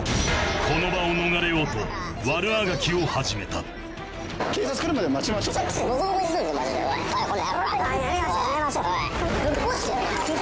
この場を逃れようと悪あがきを始めたマジでオイ。